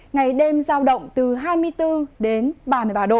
ngày đêm giao động từ hai mươi bốn đến ba mươi ba độ